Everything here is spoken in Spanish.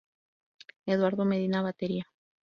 Eduardo Medina, Batería.